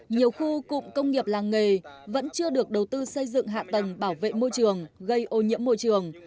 nhiều khu cụm công nghiệp làng nghề vẫn chưa được đầu tư xây dựng hạ tầng bảo vệ môi trường gây ô nhiễm môi trường